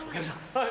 はい。